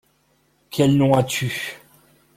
Quel nom as-tu ?